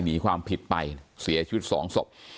หนีความผิดไปเสียชีวิตสองศพ